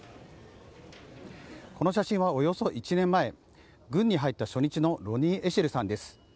この写真は、およそ１年前軍に入った初日のロニー・エシェルさんです。